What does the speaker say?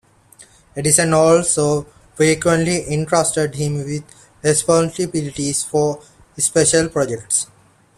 Edison also frequently entrusted him with responsibility for special projects.